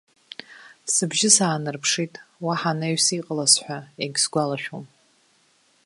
Сыбжьы саанарԥшит, уаҳа анаҩс иҟалаз ҳәа егьсгәалашәом.